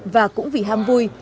và cũng vì ham vui